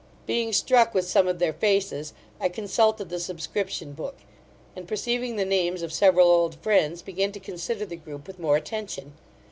Being struck with some of their faces, I consulted the subscription book; and, perceiving the names of several old friends, began to consider the groupe with more attention.